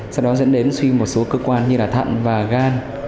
sau đó dẫn đến suy một số cơ quan như là thận và gan